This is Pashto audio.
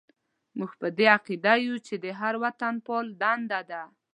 موږ په دې عقیده یو چې د هر وطنپال دنده ده.